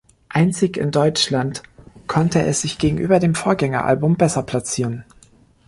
Einzig in Deutschland konnte es sich gegenüber dem Vorgängeralbum besser platzieren.